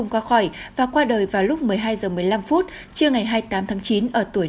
vượt khỏi và qua đời vào lúc một mươi hai giờ một mươi năm phút trưa ngày hai mươi tám tháng chín ở tuổi năm mươi một